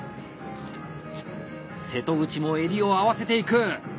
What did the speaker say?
瀬戸口も襟を合わせていく！